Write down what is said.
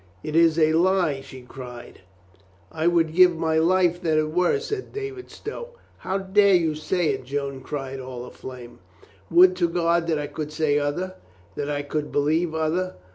"It is a lie!" she cried. COLONEL STOW IS AWAKED 411 "I would give my life that it were," said David Stow. "How dare you say it?" Joan cried, all aflame. "Would to God that I could say other — that I could believe other